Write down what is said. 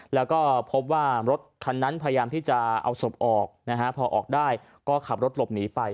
แล้วก็พบว่ารถคันนั้นพยายามที่จะเอาศพออกนะฮะพอออกได้ก็ขับรถหลบหนีไป